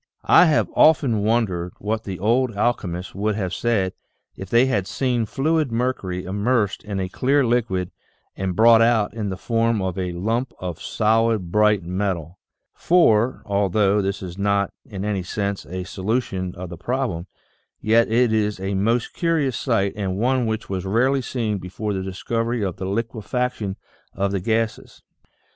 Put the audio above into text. I have often wondered what the old alchemists would have said if they had seen fluid mercury immersed in a clear liquid and brought out in the form of a lump of solid, bright metal. For, although this is not in any sense a so lution of the problem, yet it is a most curious sight and one which was rarely seen before the discovery of the liquefac tion of the gases.